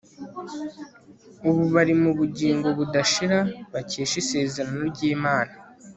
ubu bari mu bugingo budashira bakesha isezerano ry'imana